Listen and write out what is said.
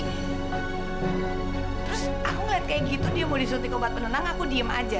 terus aku ngeliat kayak gitu dia mau disuntik obat penenang aku diem aja